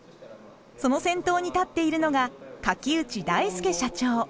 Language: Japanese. その先頭に立っているのが垣内大輔社長。